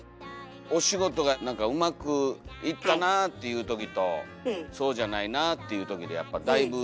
お仕事がなんかうまくいったなっていうときとそうじゃないなっていうときでやっぱだいぶちゃいますよね。